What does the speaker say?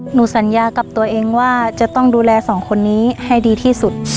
หนูสัญญากับตัวเองว่าจะต้องดูแลสองคนนี้ให้ดีที่สุด